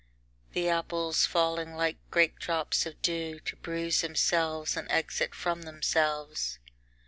The apples falling like great drops of dew to bruise themselves an exit from themselves.